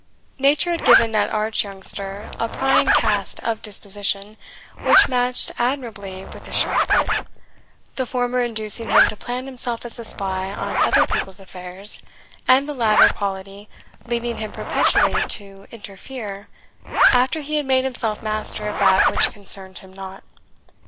Nature had given that arch youngster a prying cast of disposition, which matched admirably with his sharp wit; the former inducing him to plant himself as a spy on other people's affairs, and the latter quality leading him perpetually to interfere, after he had made himself master of that which concerned him not.